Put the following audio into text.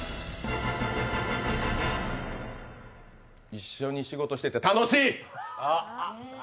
一緒に仕事してて楽しい！